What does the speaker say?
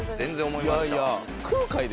いやいや。